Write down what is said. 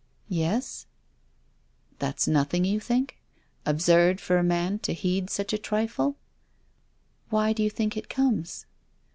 "Yes?" " That's nothing — you think ? Absurd for a man to heed such a trifle?" " Why do you think it comes?"